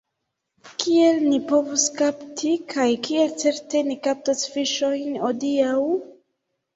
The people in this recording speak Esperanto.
Kiel ni povus kapti, kaj kiel certe ni kaptos fiŝojn hodiaŭ?